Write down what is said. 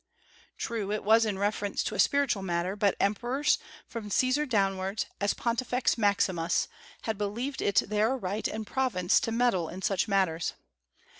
True, it was in reference to a spiritual matter, but emperors, from Caesar downwards, as Pontifex Maximus, had believed it their right and province to meddle in such matters.